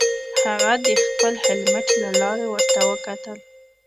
هغه د خپل هیلمټ له لارې ورته وکتل